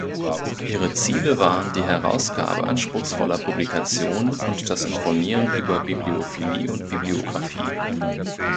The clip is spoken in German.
Ihre Ziele waren die Herausgabe anspruchsvoller Publikationen und das Informieren über Bibliophilie und Bibliographie.